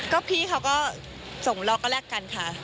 ก็พี่เขาก็ส่งเราก็แลกกันค่ะ